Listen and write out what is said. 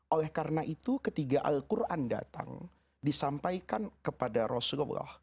oleh karena itu ketika al quran datang disampaikan kepada rasulullah